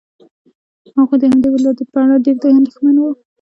هغوی د همدې ولادت په اړه ډېر اندېښمن وو.